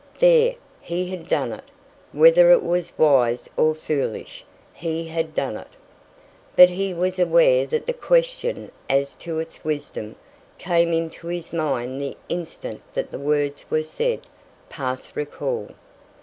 There! he had done it whether it was wise or foolish he had done it! but he was aware that the question as to its wisdom came into his mind the instant that the words were said past recall.